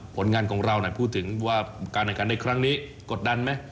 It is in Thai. ผลงานของเราพูดถึงว่าการแข่งขันในครั้งนี้กดดันไหม